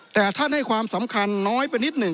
แต่ท่านให้ความสำคัญน้อยไปนิดหนึ่ง